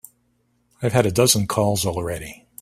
I've had a dozen calls already.